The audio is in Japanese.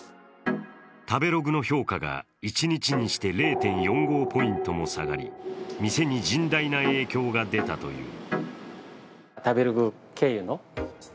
食べログの評価が一日にして０．４５ポイントも下がり店に甚大な影響が出たという。